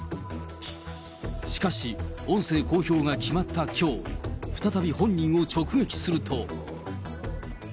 しかし、音声公表が決まったきょう、再び本人を直撃すると。